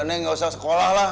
neng gak usah sekolah lah